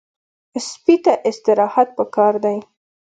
سپي ته استراحت پکار دی.